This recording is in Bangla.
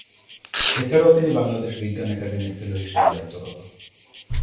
এছাড়াও তিনি বাংলাদেশ বিজ্ঞান একাডেমির ফেলো হিসেবে দায়িত্বরত।